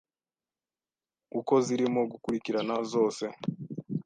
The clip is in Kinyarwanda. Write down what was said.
uko zirimo gukurikirana zose